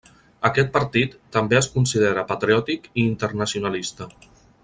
Aquest partit també es considera patriòtic i internacionalista.